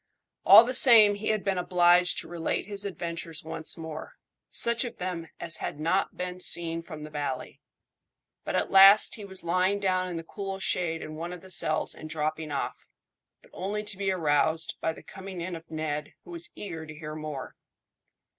All the same he had been obliged to relate his adventures once more such of them as had not been seen from the valley. But at last he was lying down in the cool shade in one of the cells and dropping off, but only to be aroused by the coming in of Ned, who was eager to hear more.